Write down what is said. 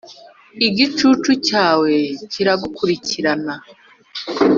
igicucu cyawe kiragukurikira,